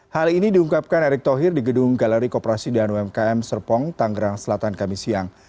hal ini diungkapkan erik thohir di gedung galeri koperasi dan umkm serpong tanggerang selatan kamisiyang